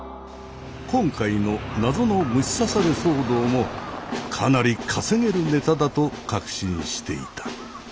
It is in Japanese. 今回の謎の虫刺され騒動もかなり稼げるネタだと確信していた。